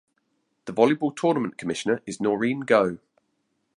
The volleyball tournament commissioner is Noreen Go.